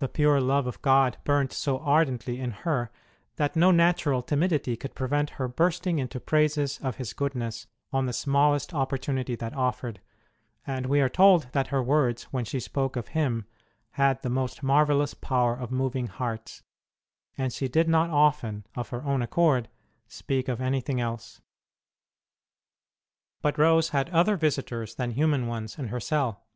The pure love of God burnt so ardently in her that no natural timidity could prevent her burst ing into praises of His goodness on the smallest opportunity that offered, and we are told that her words when she spoke of Him had the most marvellous power of moving hearts and she did not often, of her own accord, speak of anything else. But Rose had other visitors than human ones in her cell.